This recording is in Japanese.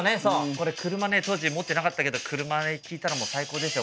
これ車ね当時持ってなかったけど車で聴いたらもう最高ですよ